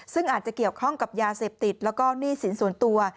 ซึ่งอาจจะเกี่ยวข้องกับยาเสพติดแล้วก็หนี้สินส่วนตัว